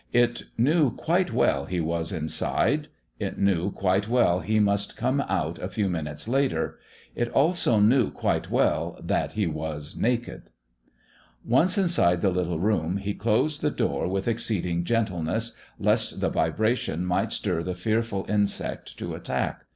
It knew quite well he was inside; it knew quite well he must come out a few minutes later; it also knew quite well that he was naked. Once inside the little room, he closed the door with exceeding gentleness, lest the vibration might stir the fearful insect to attack.